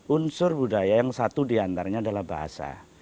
unsur budaya yang satu diantaranya adalah bahasa